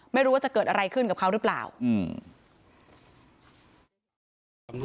ไม่รู้ว่าจะเกิดอะไรขึ้นกับเขาหรือเปล่าอืม